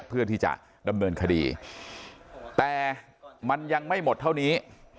เพื่อที่จะดำเนินคดีแต่มันยังไม่หมดเท่านี้